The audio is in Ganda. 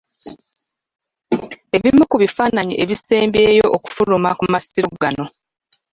Ekimu ku bifaananyi ebisembyeyo okufuluma ku Masiro gano